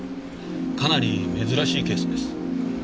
かなり珍しいケースです。